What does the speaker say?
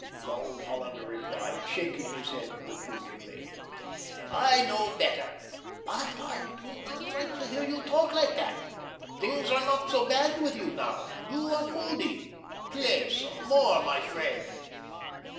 the old Hollander replied, shaking his head reprovingly. "I know better! But I do not like to hear you talk like that. Things are not so bad with you now. You are moody. Play some more, my friend."